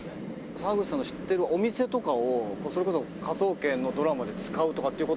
「沢口さんの知ってるお店とかをそれこそ『科捜研』のドラマで使うとかっていう事もあるんですか？」